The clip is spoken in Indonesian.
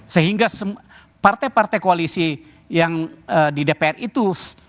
sehingga partai partai koalisi yang di dpr itu